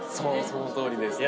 そのとおりですね。